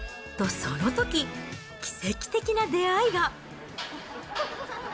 と、そのとき、奇跡的な出会いが。